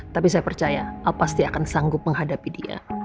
tapi saya percaya pasti akan sanggup menghadapi dia